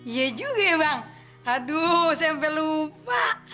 iya juga ya bang aduh sampai lupa